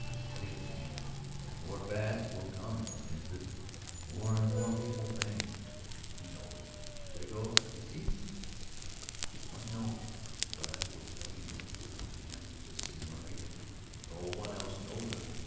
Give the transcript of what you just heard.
"But he came and more bad will come from his visit, more and more of evil things. One knows. Seguro que si; one knows. But I will tell you and the señorita; no one else knows of it.